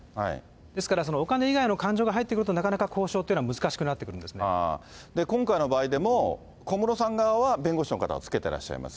ですから、お金以外の感情が入ってくると、なかなか交渉というの今回の場合でも、小室さん側は弁護士の方をつけていらっしゃいます。